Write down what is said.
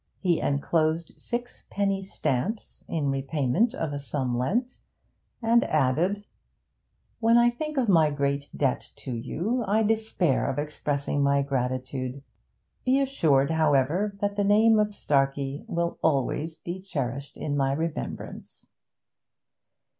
He enclosed six penny stamps in repayment of a sum lent, and added 'When I think of my great debt to you I despair of expressing my gratitude. Be assured, however, that the name of Starkey will always be cherished in my remembrance.'